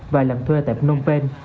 và làm thuê tại phnom penh